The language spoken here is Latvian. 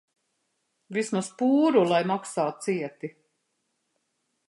Vismaz pūru lai maksā cieti.